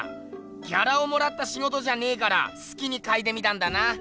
ギャラをもらったしごとじゃねえからすきにかいてみたんだな。